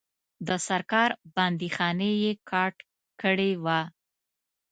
د سرکار بندیخانې یې کاټ کړي وه.